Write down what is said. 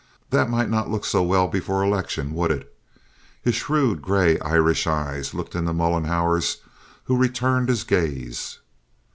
"That might not look so well before election, would it?" His shrewd gray Irish eyes looked into Mollenhauer's, who returned his gaze.